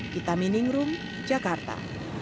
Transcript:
kita miningrum jakarta